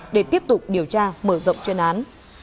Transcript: để tiếp tục điều tra mở rộng chuyên án